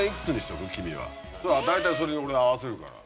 大体それに俺合わせるから。